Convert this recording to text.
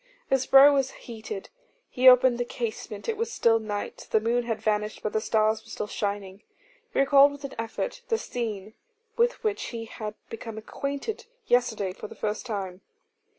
His brow was heated; he opened the casement. It was still night; the moon had vanished, but the stars were still shining. He recalled with an effort the scene with which he had become acquainted yesterday for the first time.